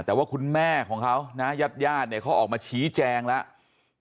แต่ว่าคุณแม่ของเขายาดเขาออกมาฉีแจงแล้ว